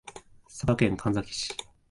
佐賀県神埼市